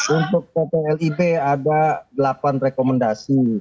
untuk kplib ada delapan rekomendasi